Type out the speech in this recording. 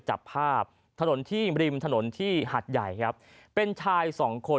จับภาพถนนที่ริมถนนที่หัดใหญ่ครับเป็นชายสองคน